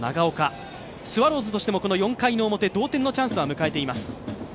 スワローズとしても４回の表同点のチャンスを迎えています。